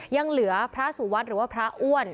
ยังเหลือพระสุวัสดิ์หรือว่าพระอ้วน